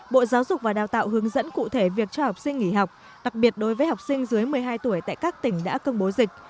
bộ giáo dục và đào tạo hướng dẫn cụ thể việc cho học sinh nghỉ học đặc biệt đối với học sinh dưới một mươi hai tuổi tại các tỉnh đã công bố dịch